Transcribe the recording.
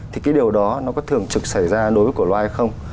thì cái điều đó nó có thường trực xảy ra đối với cổ loa hay không